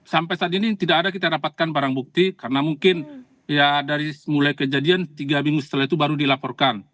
sampai saat ini tidak ada kita dapatkan barang bukti karena mungkin ya dari mulai kejadian tiga minggu setelah itu baru dilaporkan